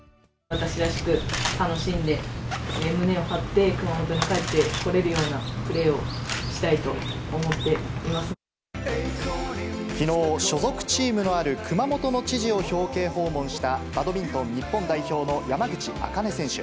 私らしく楽しんで、胸を張って熊本に帰ってこれるようなプレーをしたいと思っていまきのう、所属チームのある熊本の知事を表敬訪問したバドミントン日本代表の山口茜選手。